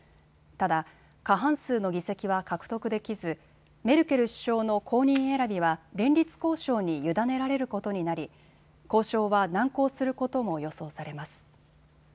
ただ、過半数の議席は獲得できずメルケル首相の後任選びは連立交渉に委ねられることになり交渉は難航することも予想されます。